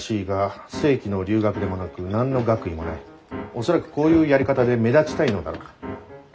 恐らくこういうやり方で目立ちたいのだろう。